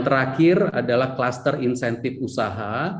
terakhir adalah kluster insentif usaha